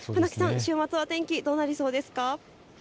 船木さん、週末の天気はどうなりそうですか。